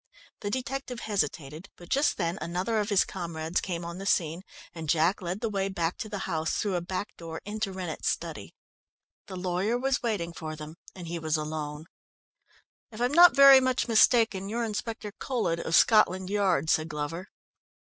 The detective hesitated, but just then another of his comrades came on the scene, and Jack led the way back to the house through a back door into Rennett's study. The lawyer was waiting for them, and he was alone. "If I'm not very much mistaken, you're Inspector Colhead, of Scotland Yard," said Glover.